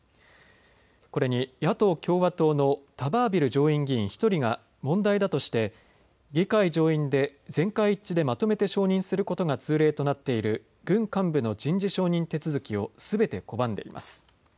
これに野党・共和党のタバービル上院議員１人が問題だとして議会上院で全会一致でまとめて承認することが通例となっている軍幹部の人事承認手続きをすべて拒んでいます。